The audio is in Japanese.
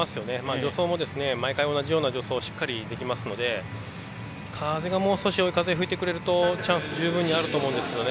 助走も毎回同じような助走をしっかりできますので風がもう少し追い風吹いてくれるとチャンス、十分にあると思いますけどね。